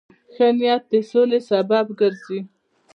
ښه نیت د سولې سبب ګرځي.